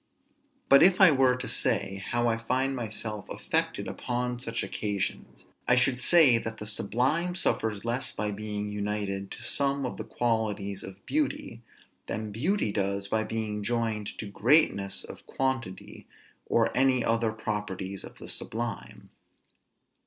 But if I were to say how I find myself affected upon such occasions, I should say that the sublime suffers less by being united to some of the qualities of beauty, than beauty does by being joined to greatness of quantity, or any other properties of the sublime.